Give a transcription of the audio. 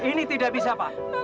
ini tidak bisa pak